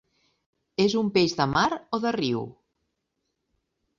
És un peix de mar o de riu?